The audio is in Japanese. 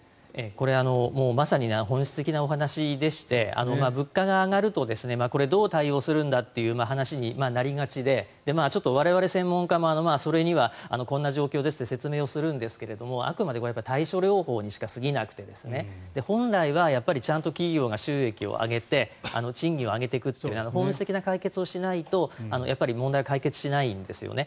これはまさに本質的なお話でして物価が上がるとこれどう対応するんだという話になりがちで我々専門家もそれにはこんな状況ですって説明をするんですがあくまで対症療法にしか過ぎなくて本来はちゃんと企業が収益を上げて賃金を上げていくという本質的な解決をしないと問題は解決しないんですよね。